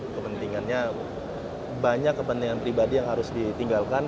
kepentingannya banyak kepentingan pribadi yang harus ditinggalkan